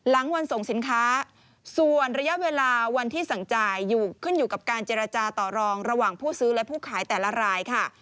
หลังวันส่งสินค้าส่วนระยะเวลาวันที่สั่งจ่ายอยู่ขึ้นอยู่กับการเจรจาต่อรองระหว่างผู้ซื้อและผู้ขายแต่ละรายค่ะ